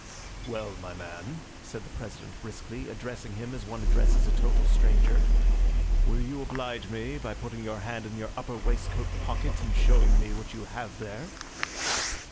"Well, my man," said the President briskly, addressing him as one addresses a total stranger, "will you oblige me by putting your hand in your upper waistcoat pocket and showing me what you have there?"